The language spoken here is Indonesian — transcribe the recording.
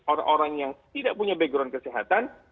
orang orang yang tidak punya background kesehatan